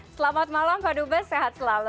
selamat malam pak dubes sehat selalu